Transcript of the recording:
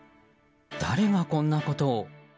誰がこんなことを？